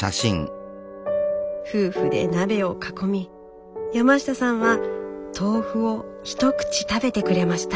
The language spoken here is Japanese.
夫婦で鍋を囲み山下さんは豆腐を一口食べてくれました。